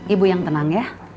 ibu yang tenang ya